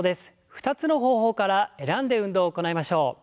２つの方法から選んで運動を行いましょう。